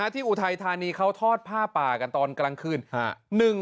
อุทัยธานีเขาทอดผ้าป่ากันตอนกลางคืน